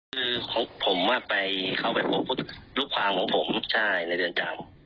คือของผมไปเขาไปพบลูกความของผมใช่ในเรือนจำ